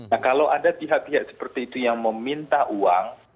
nah kalau ada pihak pihak seperti itu yang meminta uang